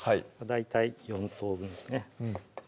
大体４等分ですね